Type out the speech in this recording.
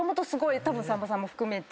たぶんさんまさんも含めて。